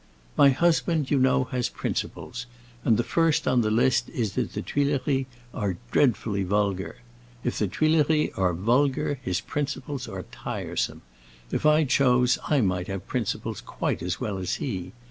My husband, you know, has principles, and the first on the list is that the Tuileries are dreadfully vulgar. If the Tuileries are vulgar, his principles are tiresome. If I chose I might have principles quite as well as he.